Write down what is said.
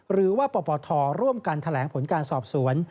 หรือว่าปปทร่วมกันแถลงผลการสอบสวน